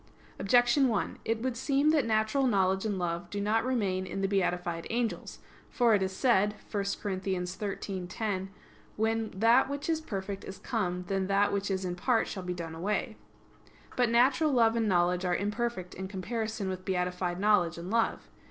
Objection 1: It would seem that natural knowledge and love do not remain in the beatified angels. For it is said (1 Cor. 13:10): "When that which is perfect is come, then that which is in part shall be done away." But natural love and knowledge are imperfect in comparison with beatified knowledge and love.